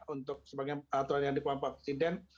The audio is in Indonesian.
untuk sebagian peraturan yang dikenal pak president